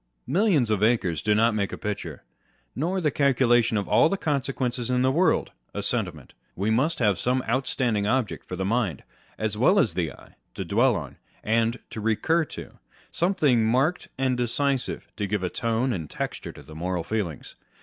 Millions of acres do not make a picture ; nor the calcu lation of all the consequences in the world a sentiment. We must have some outstanding object for the mind, as well as the eye, to dwell on and to recur to â€" something marked and decisive to give a tone and texture to the moral feelings.